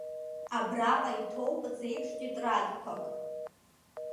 Абраҟа иҭоуп зеиԥш тетрадқәак.